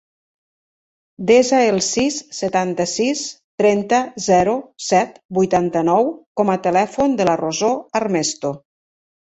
Desa el sis, setanta-sis, trenta, zero, set, vuitanta-nou com a telèfon de la Rosó Armesto.